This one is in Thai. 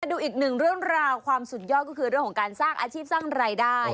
ดูอีกหนึ่งเรื่องราวความสุดยอดก็คือเรื่องของการสร้างอาชีพสร้างรายได้